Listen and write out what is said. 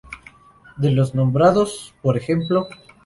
De los nombrados, por ej.